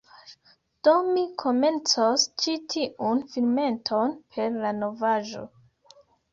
Do mi komencos ĉi tiun filmeton per la novaĵo.